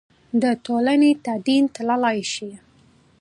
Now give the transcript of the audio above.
د ټولنې تدین تللای شي.